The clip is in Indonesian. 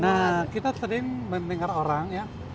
nah kita sering mendengar orang ya